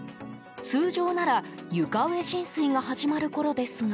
通常なら床上浸水が始まるころですが。